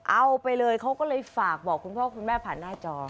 เอาไปเลยเขาก็เลยฝากบอกคุณพ่อคุณแม่ผ่านหน้าจอ